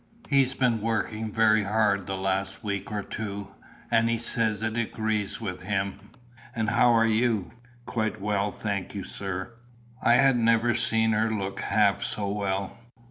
He's been working very hard the last week or two, and he says it agrees with him." "And how are you?" "Quite well, thank you, sir." I had never seen her look half so well.